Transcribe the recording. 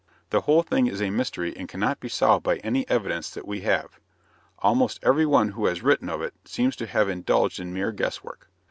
The whole thing is a mystery and cannot be solved by any evidence that we have. Almost every one who has written of it seems to have indulged in mere guesswork.